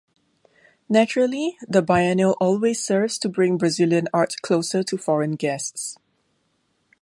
Naturally, the biennial always serves to bring Brazilian art closer to foreign guests.